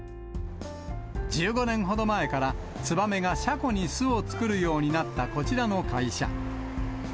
１５年ほど前から、ツバメが車庫に巣を作るようになったこちらの会社。